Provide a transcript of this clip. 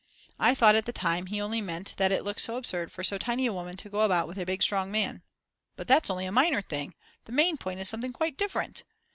I thought at the time he only meant that it looks so absurd for so tiny a woman to go about with a big strong man. But that's only a minor thing; the main point is something quite different!!!!